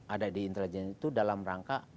ada di intelijen itu dalam rangka